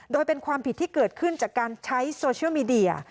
โดยเป็นความผิดที่เกิดขึ้นจากการใช้โซเชียลมีเดีย